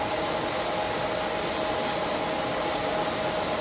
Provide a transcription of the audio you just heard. ต้องเติมเนี่ย